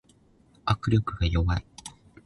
握力が弱い